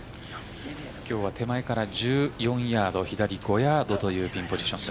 今日は手前から１４ヤード左５ヤードというピンポジション。